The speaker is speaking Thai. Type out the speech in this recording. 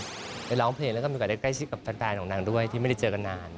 ยังมีการได้ร้องเพลงและก็มีการได้ใกล้ชิดกับแฟนของนางด้วยที่ไม่ได้เจอกันนาฬ